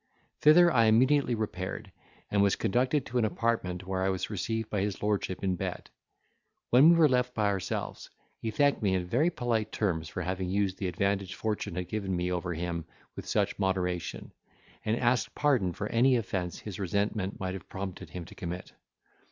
Thither I immediately repaired, and was conducted to an apartment where I was received by his lordship in bed. When we were left by ourselves, he thanked me in very polite terms for having used the advantage fortune had given me over him with such moderation, and asked pardon for any offence his resentment might have prompted him to commit.